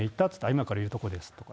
今から言うところですと。